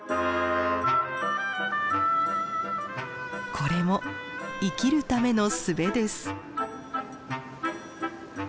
これも生きるための術です。